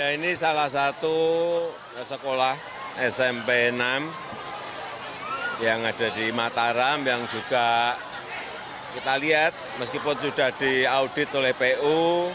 ini salah satu sekolah smp enam yang ada di mataram yang juga kita lihat meskipun sudah diaudit oleh pu